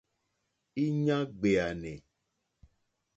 Íɲá ɡbèànè.